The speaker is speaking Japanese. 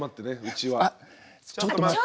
あっ「ちょっと待って」。